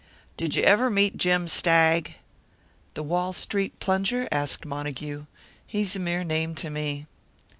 Did you ever meet Jim Stagg?" "The Wall Street plunger?" asked Montague. "He's a mere name to me."